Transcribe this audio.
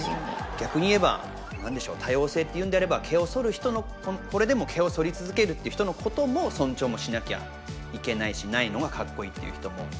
逆に言えば何でしょう多様性って言うんであれば毛をそる人のこれでも毛をそり続けるって人のことも尊重もしなきゃいけないしないのがかっこいいっていう人も。